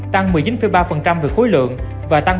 tăng một mươi chín ba về khối lượng và tăng ba mươi hai